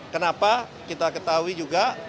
kenapa kita ketahui juga